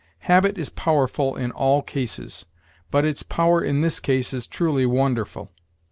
Habit is powerful in all cases; but its power in this case is truly wonderful.